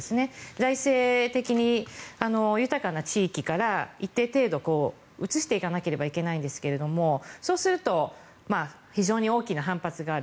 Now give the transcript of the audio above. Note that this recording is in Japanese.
財政的に豊かな地域から一定程度、移していかなければいけないんですがそうすると非常に大きな反発がある。